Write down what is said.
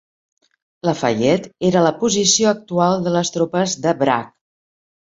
Lafayette era la posició actual de les tropes de Bragg.